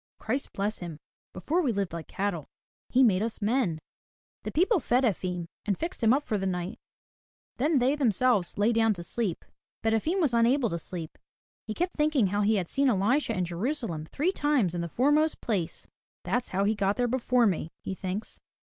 Christ bless him! Before, we lived like cattle. He made us men.*' The people fed Efim, and fixed him up for the night, then they themselves lay down to sleep. But Efim was unable to sleep. He kept thinking how he had seen Elisha in Jerusalem three times in the foremost place. That's how he got there before me," he thinks.